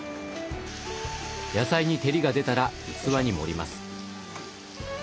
野菜に照りが出たら器に盛ります。